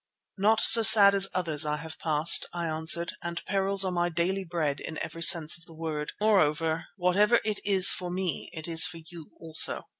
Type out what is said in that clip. "Not so sad as others I have passed," I answered, "and perils are my daily bread in every sense of the word. Moreover, whatever it is for me it is for you also."